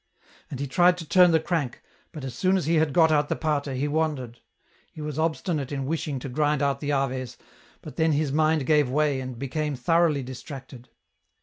And he tried to turn the crank, but as soon as he had got out the Pater, he wandered ; he was obstinate in wishing to grind out the Aves, but then his mind gave way and became thoroughly distracted.